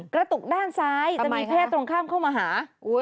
กระตุกด้านซ้ายจะมีเพศตรงข้ามเข้ามาหา